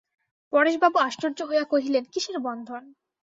পরেশবাবু আশ্চর্য হইয়া কহিলেন, কিসের বন্ধন?